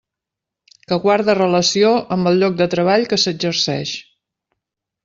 Que guarde relació amb el lloc de treball que s'exerceix.